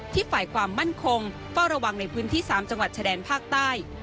ฝ่ายความมั่นคงเฝ้าระวังในพื้นที่๓จังหวัดชายแดนภาคใต้